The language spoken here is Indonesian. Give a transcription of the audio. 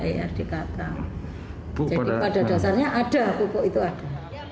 jadi pada dasarnya ada pupuk itu ada